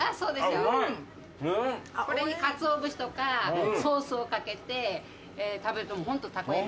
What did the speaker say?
これにかつお節とかソースを掛けて食べるとホントたこ焼き。